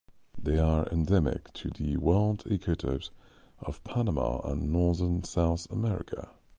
They are endemic to the wild ecotopes of Panama and northern South America.